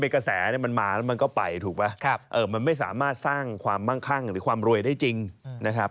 กระแสมันมาแล้วมันก็ไปถูกไหมมันไม่สามารถสร้างความมั่งคั่งหรือความรวยได้จริงนะครับ